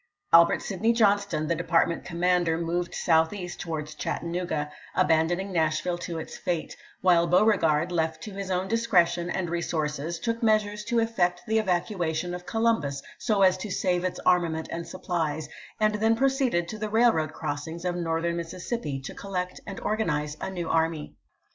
Albert Sidney Johnston, the department commander, moved southeast towards Chattanooga, abandoning Nash ville to its fate ; while Beauregard, left to his own discretion and resources, took measures to effect the evacuation of Columbus so as to save its arma ment and supplies, and then proceeded to the rail road crossings of Northern Mississippi to collect and organize a new army.